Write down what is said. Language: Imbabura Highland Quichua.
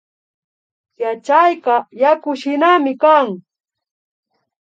Yachayka yakushinami kan